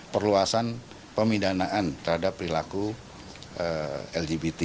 perluasan pemidanaan terhadap perilaku lgbt